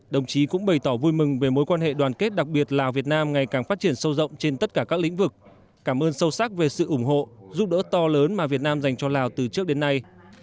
đồng chí cũng bày tỏ vui mừng về mối quan hệ đoàn kết đặc biệt lào việt nam ngày càng phát triển sâu rộng trên tất cả các lĩnh vực cảm ơn sâu sắc về sự ủng hộ giúp đỡ to lớn mà việt nam dành cho lào từ trước đến nay